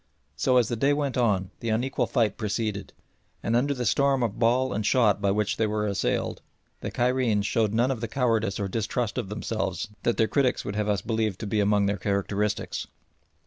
So as the day went on the unequal fight proceeded, and under the storm of ball and shot by which they were assailed the Cairenes showed none of the cowardice or distrust of themselves that their critics would have us believe to be among their characteristics.